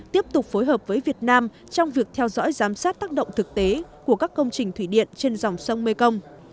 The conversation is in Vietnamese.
tiếp tục phối hợp với việt nam trong việc theo dõi giám sát tác động thực tế của các công trình thủy điện trên dòng sông mekong